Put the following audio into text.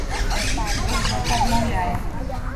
Расійскі бок гэта адмаўляе.